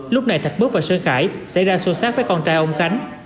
lúc này thạch mước và sơn khải xảy ra xua sát với con trai ông khánh